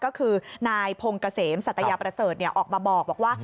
ก็คือนายพงเกษมสัตยาประเสริฐออกมาบอกว่า